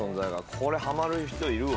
これハマる人いるわ。